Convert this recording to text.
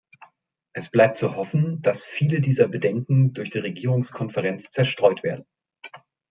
Es bleibt zu hoffen, dass viele dieser Bedenken durch die Regierungskonferenz zerstreut werden.